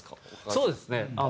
そうですね。